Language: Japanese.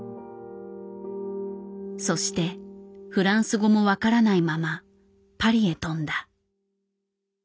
そしてフランス語も分からないままパリへ飛んだ。